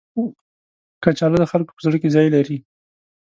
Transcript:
کچالو د خلکو په زړه کې ځای لري